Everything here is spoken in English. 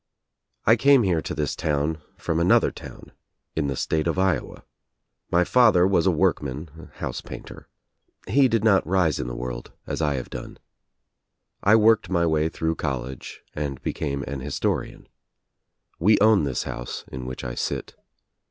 I came here to this town from another town in the state of Iowa. My father was a workman, a house painter. He did not rise in the world as I have done. I worked my way through college and became an his torian. We own this house in which I sit.